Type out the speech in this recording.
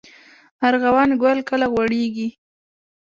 ارغوان ګل کله غوړیږي؟